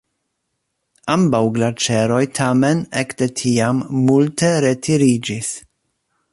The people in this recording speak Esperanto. Ambaŭ glaĉeroj tamen ek de tiam multe retiriĝis.